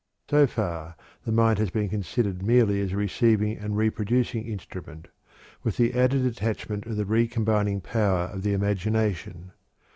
So far the mind has been considered merely as a receiving and reproducing instrument, with the added attachment of the re combining power of the imagination.